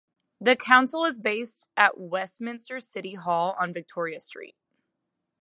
The Council is based at Westminster City Hall on Victoria Street.